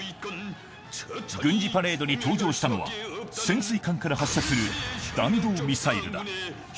軍事パレードに登場したのは、潜水艦から発射する弾道ミサイルだ。